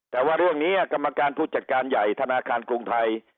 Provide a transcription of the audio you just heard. แต่ว่าเรื่องนี้กรรมการผู้จัดการใหญ่ธนาคารกรุงไทย